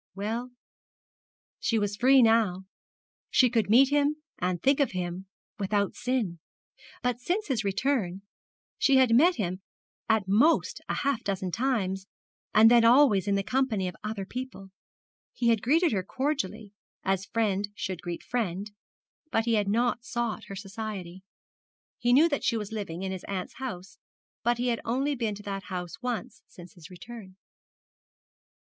Well, she was free now. She could meet him and think of him without sin; but since his return she had met him at most half a dozen times, and then always in the company of other people. He had greeted her cordially, as friend should greet friend, but he had not sought her society. He knew that she was living in his aunt's house, but he had only been to that house once since his return.